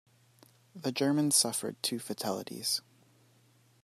The Germans suffered two fatalities.